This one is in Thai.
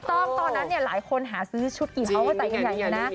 ตอนนั้นหลายคนหาซื้อชุดกี่เผ้าให้ใส่ใหญ่